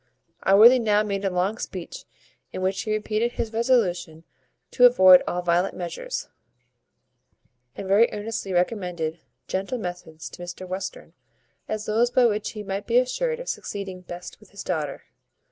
Allworthy now made a long speech, in which he repeated his resolution to avoid all violent measures, and very earnestly recommended gentle methods to Mr Western, as those by which he might be assured of succeeding best with his daughter.